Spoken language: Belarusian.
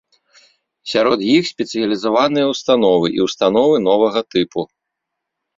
Сярод іх спецыялізаваныя ўстановы і ўстановы новага тыпу.